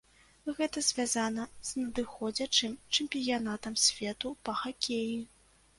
Гэта звязана з надыходзячым чэмпіянатам свету па хакеі.